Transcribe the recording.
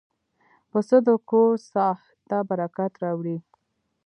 پسه د کور ساحت ته برکت راوړي.